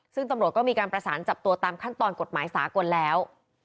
ซึ่งตำรวจก็มีการประสานจับตัวตามขั้นตอนกฎหมายสากลแล้ว